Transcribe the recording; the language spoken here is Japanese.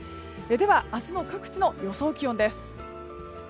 では明日の各地の予想気温です。